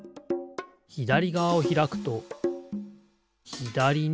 ひだりがわをひらくとひだりにころがる。